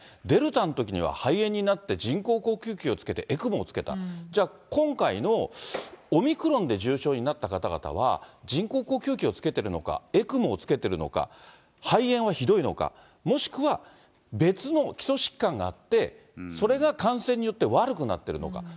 デルタのときには肺炎になって、人工呼吸器をつけてＥＣＭＯをつけた、じゃあ今回のオミクロンで重症になった方々は、人工呼吸器をつけているのか、ＥＣＭＯをつけてるのか、肺炎はひどいのか、もしくは別の基礎疾患があって、それが感染によって悪くなっているのか。